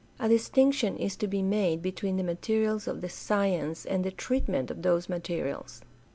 A distinction is to be made between the materials of the science and the treatment of those materials.